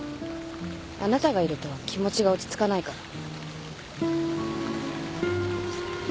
あなたがいると気持ちが落ち着かないから。